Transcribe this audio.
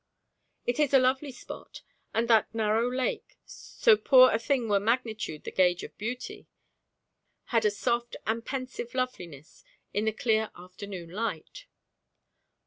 It is a lovely spot, and that narrow lake, so poor a thing were magnitude the gauge of beauty, had a soft and pensive loveliness in the clear afternoon light.